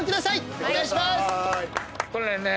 お願いします！